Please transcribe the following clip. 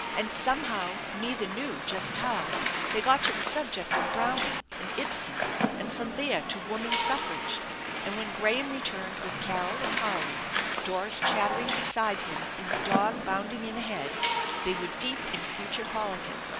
And somehow, neither knew just how, they got to the subject of Browning and Ibsen, and from there to woman's suffrage, and when Graham returned with Carol and Harley, Doris chattering beside him and the dog bounding in ahead, they were deep in future politics.